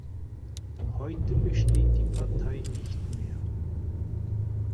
Heute besteht die Partei nicht mehr.